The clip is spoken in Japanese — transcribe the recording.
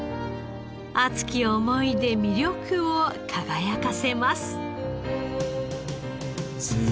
熱き思いで魅力を輝かせます。